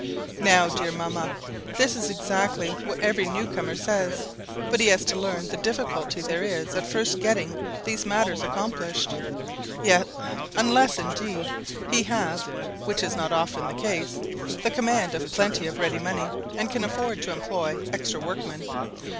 Now, dear mamma, this is exactly what every new comer says; but he has to learn the difficulty there is at first of getting these matters accomplished, unless, indeed, he have (which is not often the case) the command of plenty of ready money, and can afford to employ extra workmen.